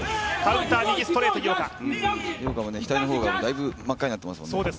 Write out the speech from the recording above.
井岡も左の頬がだいぶ真っ赤になっていますもんね。